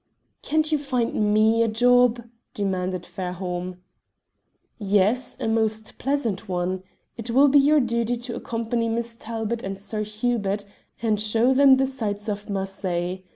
"Can't you find me a job?" demanded Fairholme. "Yes, a most pleasant one. It will be your duty to accompany Miss Talbot and Sir Hubert, and show them the sights of Marseilles.